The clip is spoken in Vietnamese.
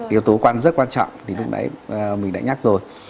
yếu tố rất quan trọng thì lúc nãy mình đã nhắc rồi